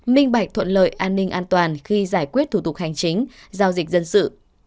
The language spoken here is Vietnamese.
minh bạch thuận lợi an ninh an toàn khi giải quyết thủ tục hành chính giao dịch dân sự